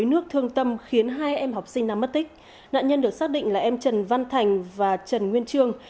nạn nhân được xác định là em trần văn thành và trần nguyên trương